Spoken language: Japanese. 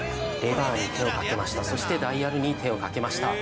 「そしてダイヤルに手を掛けました」